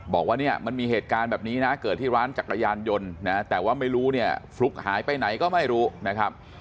บอกว่าเนี่ยมันมีเหตุการณ์แบบนี้นะเกิดที่ร้านจักรยานยนต์นะแต่ว่าไม่รู้เนี่ยฟลุ๊กหายไปไหนก็ไม่รู้นะครับ